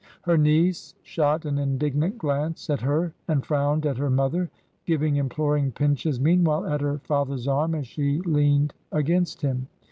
Her niece shot an indignant glance at her and frowned at her mother, giving imploring pinches meanwhile at her father's arm as she leaned against him.